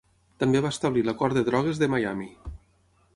També va establir la Cort de Drogues de Miami.